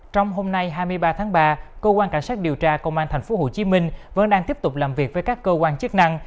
trong hôm nay hai mươi ba tháng ba cơ quan cảnh sát điều tra công an tp hcm vẫn đang tiếp tục làm việc với các cơ quan chức năng